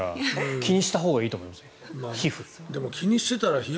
気にしたほうがいいと思いますよ皮膚。